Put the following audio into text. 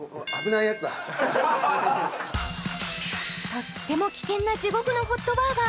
とっても危険な地獄のＨＯＴバーガー